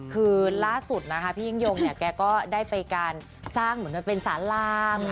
คือล่าสุดนะคะพี่ยิ่งยงเนี่ยแกก็ได้ไปการสร้างเหมือนมันเป็นสาราม